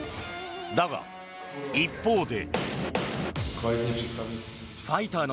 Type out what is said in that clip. だが、一方で。